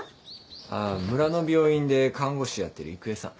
あっ村の病院で看護師やってる育江さん。